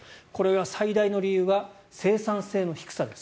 最大の理由は生産性の低さです。